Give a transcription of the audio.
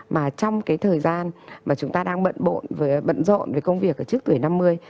mà trong cái thời gian mà chúng ta đang bận rộn với công việc trước tuổi năm mươi